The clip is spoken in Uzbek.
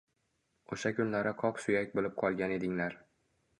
O‘sha kunlari qoq suyak bo‘lib qolgan edinglar